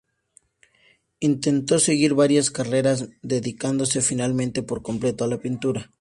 Intentó seguir varias carreras, dedicándose finalmente por completo a la pintura.